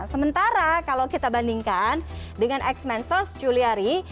sementara kalau kita bandingkan dengan x men sauce juliari